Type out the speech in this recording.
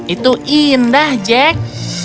itu indah jack